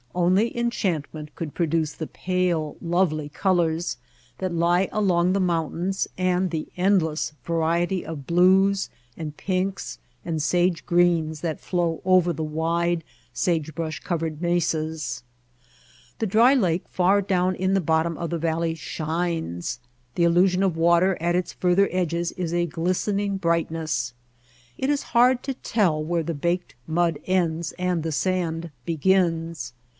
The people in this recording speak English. Only enchantment could pro duce the pale, lovely colors that lie along the mountains and the endless variety of blues and pinks and sage greens which flow over the wide, sagebrush covered mesas. The dry lake far down in the bottom of the valley shines. The illusion of water at its further edges is a glisten ing brightness. It is hard to tell where the baked mud ends and the sand begins.